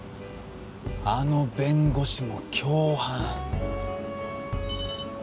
あの弁護士も共犯。